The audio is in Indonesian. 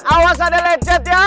awas ada lecet ya